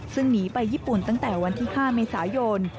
ซึ่งหนีไปญี่ปุ่นตั้งแต่วันที่๕เมษายน